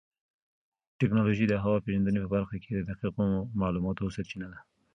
ټیکنالوژي د هوا پېژندنې په برخه کې د دقیقو معلوماتو سرچینه ده.